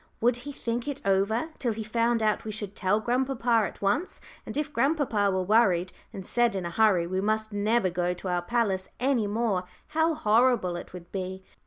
Would he "think it over" till he found out we should tell grandpapa at once; and if grandpapa were worried, and said in a hurry we must never go to our palace any more, how horrible it would be!